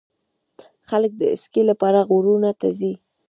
خلک د اسکی لپاره غرونو ته ځي.